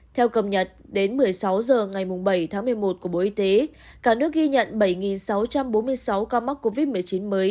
theo cập nhật đến một mươi sáu h ngày bảy tháng một mươi một của bộ y tế cả nước ghi nhận bảy sáu trăm bốn mươi sáu ca mắc covid một mươi chín mới